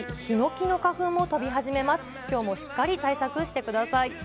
きょうもしっかり対策してください。